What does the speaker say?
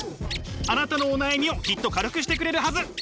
あなたのお悩みをきっと軽くしてくれるはず。